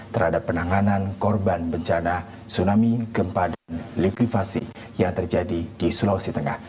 terhadap penanganan korban bencana tsunami gempa dan likuifasi yang terjadi di sulawesi tengah